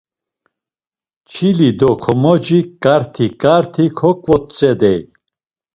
Çili do komoci ǩarti ǩarti koǩvotzedey.